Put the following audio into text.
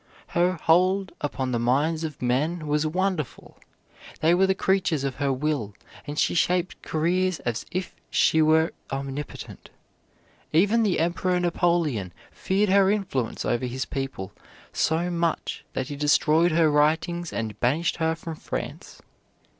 Her hold upon the minds of men was wonderful. They were the creatures of her will, and she shaped careers as if she were omnipotent. Even the Emperor Napoleon feared her influence over his people so much that he destroyed her writings and banished her from France.